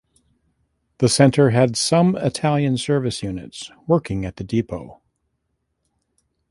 The Center had some Italian Service Units working at the depot.